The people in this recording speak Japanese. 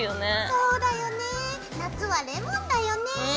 そうだよね夏はレモンだよね。